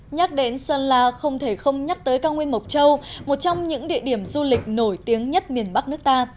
nhắc đến sơn la không thể không nhắc tới cao nguyên mộc châu một trong những địa điểm du lịch nổi tiếng nhất miền bắc nước ta